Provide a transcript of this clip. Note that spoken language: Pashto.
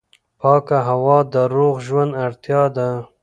پاکه هوا د روغ ژوند اړتیا ده.